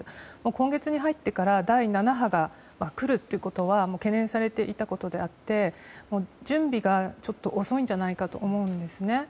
今月に入ってから第７波が来るということは懸念されていたことであって準備がちょっと遅いんじゃないかと思うんですね。